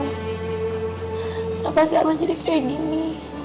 kenapa sih aman jadi kayak gini